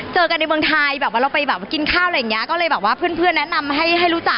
เจอกันในเมืองไทยแบบว่าเราไปแบบกินข้าวอะไรอย่างเงี้ยก็เลยแบบว่าเพื่อนแนะนำให้ให้รู้จัก